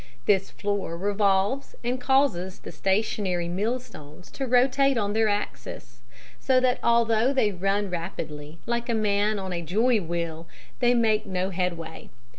This floor revolves and causes the stationary mill stones to rotate on their axes, so that although they run rapidly, like a man on a "joy wheel," they make no headway.